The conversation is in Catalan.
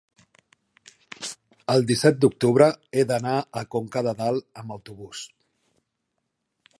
el disset d'octubre he d'anar a Conca de Dalt amb autobús.